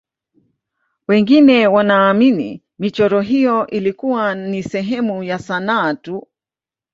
wengine wanaamini michoro hiyo ilikuwa ni sehemu ya sanaa tu